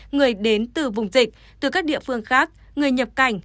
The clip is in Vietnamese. người đến từ vùng dịch từ các địa phương khác người nhập cảnh